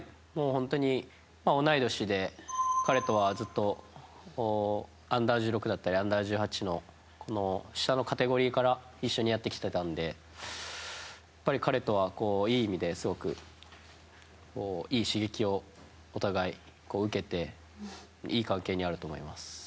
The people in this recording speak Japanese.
本当に同い年で彼とはずっとＵ‐１６だったりＵ‐１８の下のカテゴリーから一緒にやってきてたので彼とは、いい意味でいい刺激をお互い受けていい関係にあると思います。